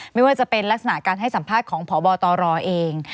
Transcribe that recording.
ไม่ว่าจะเป็นลักษณะการให้สัมภาษณ์ของพบตรเอง